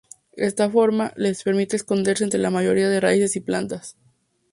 Esta forma les permite esconderse entre la mayoría de raíces y plantas.